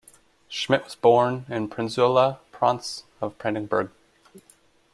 Schmidt was born in Prenzlau, Province of Brandenburg.